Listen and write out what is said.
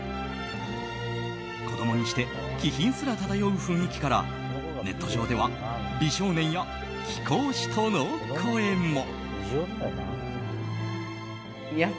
子供にして気品すら漂う雰囲気からネット上では美少年や貴公子との声も。